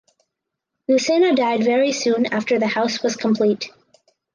Lucena died very soon after the house was complete.